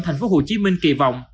thành phố hồ chí minh kỳ vọng